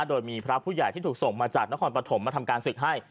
โดยมีพระผู้ใหญ่ที่ถูกส่งมาจากนครปฐมมาทำการศึกให้